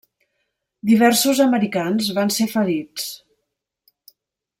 Diversos americans van ser ferits.